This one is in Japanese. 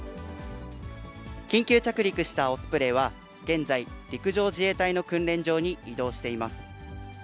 緊急着陸したオスプレイは、現在、陸上自衛隊の訓練場に移動しています。